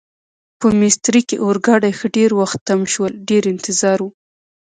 په میسترې کې اورګاډي ښه ډېر وخت تم شول، ډېر انتظار و.